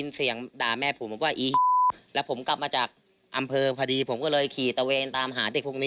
เดี๋ยวไปฟังจากปากของคุณหมูค่ะ